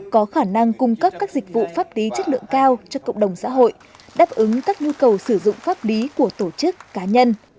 có khả năng cung cấp các dịch vụ pháp lý chất lượng cao cho cộng đồng xã hội đáp ứng các nhu cầu sử dụng pháp lý của tổ chức cá nhân